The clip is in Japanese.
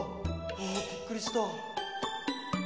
あびっくりした。